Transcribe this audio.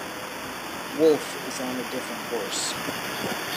Woolf is on a different horse.